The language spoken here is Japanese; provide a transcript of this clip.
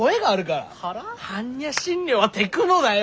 般若心経はテクノだよ？